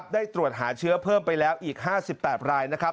ได้ตรวจหาเชื้อเพิ่มไปแล้วอีก๕๘รายนะครับ